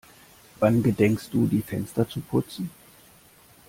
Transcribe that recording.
Wann gedenkst du die Fenster zu putzen?